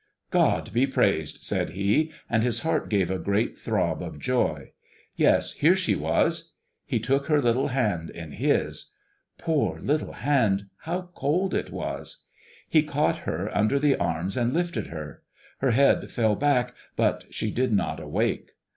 "God be praised!" said he, and his heart gave a great throb of joy. Yes, here she was! He took her little hand in his. Poor little hand, how cold it was! He caught her under the arms and lifted her. Her head fell back, but she did not awake.